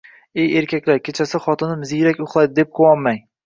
Ey erkaklar, kechasi xotinim ziyrak uxlaydi, deb quvonmang